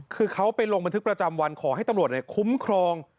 คือเขาไปลงบันทึกประจำวันขอให้ตำรวจคุ้มครอง